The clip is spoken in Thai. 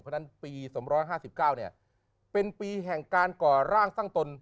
เพราะฉะนั้นปี๒๕๙เป็นปีแห่งการก่อร่างสร้างตน